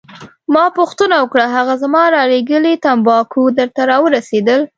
ما پوښتنه وکړه: هغه زما رالیږلي تمباکو درته راورسیدل؟